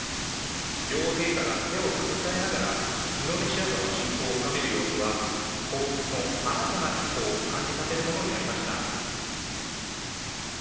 両陛下が手を携えながら、インドネシアとの親交を深める様子は、皇室の新たな一歩を感じさせるものになりました。